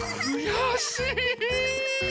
よし！